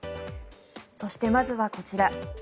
そして、まずはこちら。